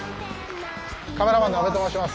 カメラマンの阿部と申します。